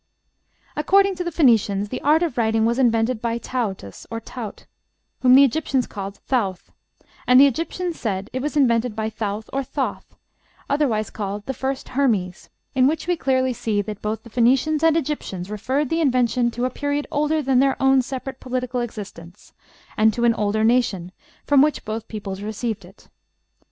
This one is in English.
"According to the Phoenicians, the art of writing was invented by Taautus, or Taut, 'whom the Egyptians call Thouth,' and the Egyptians said it was invented by Thouth, or Thoth, otherwise called 'the first Hermes,' in which we clearly see that both the Phoenicians and Egyptians referred the invention to a period older than their own separate political existence, and to an older nation, from which both peoples received it."